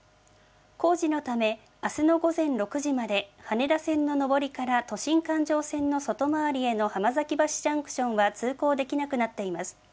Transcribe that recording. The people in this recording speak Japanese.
工事のため、あすの午前６時まで、羽田線の上りから都心環状線の外回りへの浜崎橋ジャンクションは通行できなくなっています。